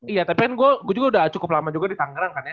iya tapi kan gue juga udah cukup lama juga di tangerang kan ya